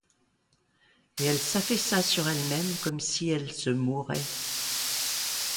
Et elle s'affaissa sur elle-même comme si elle se mourait.